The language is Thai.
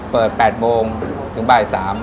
เปิด๘โมงถึงบ่าย๓